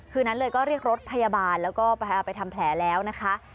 คืนนั้นเลยก็เรียกรถพยาบาลแล้วก็ไปทำแผลแล้วนะคะ